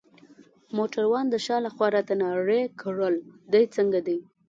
موټروان د شا لخوا راته نارې کړل: دی څنګه دی؟